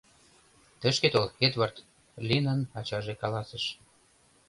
— Тышке тол, Эдвард, — Линан ачаже каласыш.